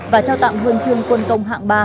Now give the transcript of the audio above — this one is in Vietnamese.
và trao tặng huân chương quân công hạng ba